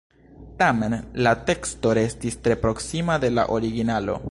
Tamen la teksto restis tre proksima de la originalo.